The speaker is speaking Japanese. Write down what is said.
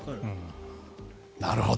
なるほど。